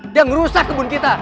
dia merusak kebun kita